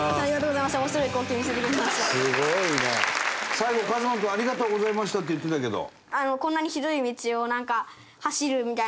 最後一翔君「ありがとうございました」って言ってたけど。